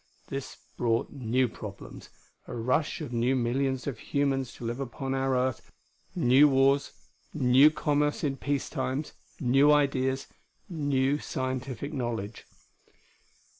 This brought new problems: a rush of new millions of humans to live upon our Earth; new wars; new commerce in peace times; new ideas; new scientific knowledge....